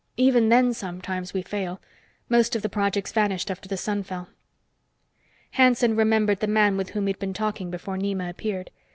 Even then, sometimes, we fail. Most of the projects vanished after the sun fell." Hanson remembered the man with whom he'd been talking before Nema appeared.